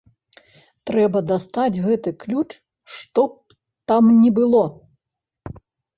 Трэба дастаць гэты ключ што б там ні было!